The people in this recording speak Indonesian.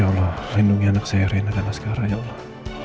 ya allah lindungi anak saya reina dan azkara ya allah